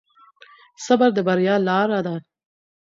صبر د بريا لاره ده.